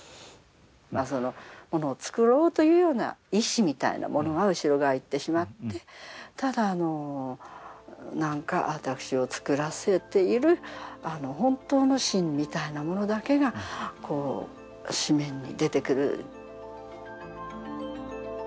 まあそのものを作ろうというような意思みたいなものが後ろ側へ行ってしまってただあの何か私を作らせている本当の芯みたいなものだけがこう紙面に出てくる。